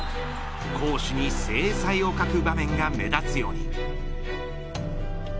攻守に精彩を欠く場面が目立つように。